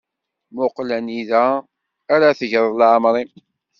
Muqel anida ara tegreḍ leεmeṛ-im.